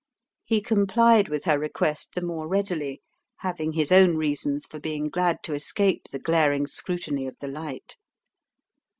He complied with her request the more readily, having his own reasons for being glad to escape the glaring scrutiny of the light.